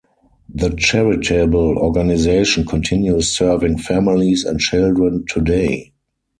The charitable organization continues serving families and children today.